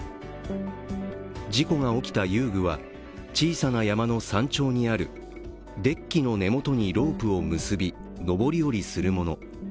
事故が起きた遊具は、小さな山の山頂にあるデッキの根元にロープを結び上り下りするもの。